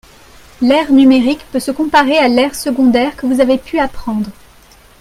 L'aire numérique peut se comparer à l'aire secondaire que vous avez pu apprendre